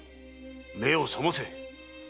目を覚ませ！